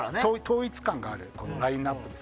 統一感があるラインアップなので。